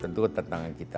tentu ke tantangan kita